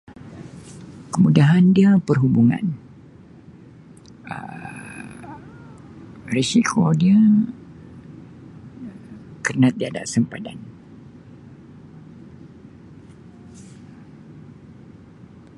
Kemudahan dia perhubungan Um risyiko die Um kena jaga sempadan.